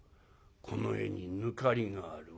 この絵に抜かりがある。